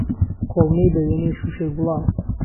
کوڵمەى بهوێنەی شوشەیگوڵاو